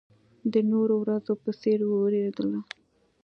د نورو ورځو په څېر وېرېدله.